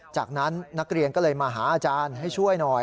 จากนั้นนักเรียนก็เลยมาหาอาจารย์ให้ช่วยหน่อย